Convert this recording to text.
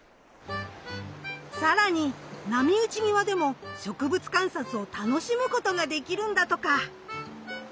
更に波打ち際でも植物観察を楽しむことができるんだとか。